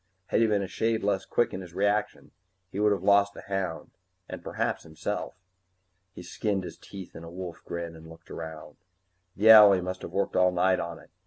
Had he been a shade less quick in his reactions, he would have lost the hound and perhaps himself. He skinned his teeth in a wolf grin and looked around. The owlie must have worked all night on it.